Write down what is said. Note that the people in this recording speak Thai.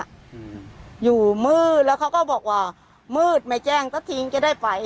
อืมอยู่มืดแล้วเขาก็บอกว่ามืดไม่แจ้งก็ทิ้งจะได้ไป